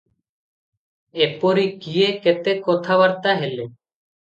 ଏପରି କିଏ କେତେ କଥାବାର୍ତ୍ତା ହେଲେ ।